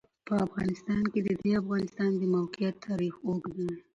په افغانستان کې د د افغانستان د موقعیت تاریخ اوږد دی.